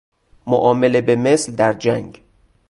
معامله به مثل در جنگ